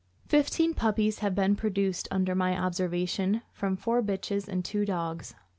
Fifteen puppies have been produced, under my observation, from four bitches and two dogs.